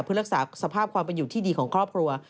เพื่อรักษาสภาพความเป็นอยู่ที่ดีของครอบครัว